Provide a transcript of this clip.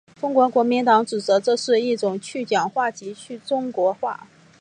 中国国民党指责这是一种去蒋化及去中国化。